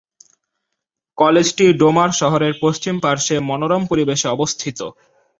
কলেজটি ডোমার শহরের পশ্চিম পার্শ্বে মনোরম পরিবেশে অবস্থিত।